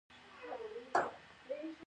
یو اشرافي به واورېدل چې سیال یې مېلمستیا کړې.